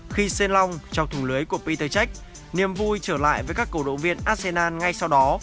khi sen long trong thùng lưới của peter check niềm vui trở lại với các cổ động viên arsenal ngay sau đó